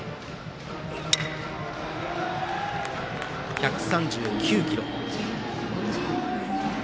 １３９キロ。